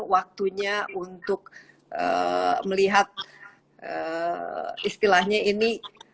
waktunya untuk melihat istilahnya ini